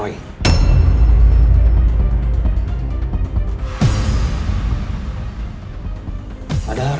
padahal rena anaknya nino